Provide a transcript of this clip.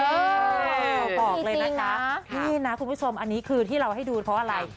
บอกเลยนะคะนี่นะคุณผู้ชมอันนี้คือที่เราให้ดูเพราะอะไร